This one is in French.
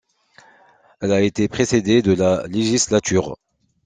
Elle a été précédée de la législature.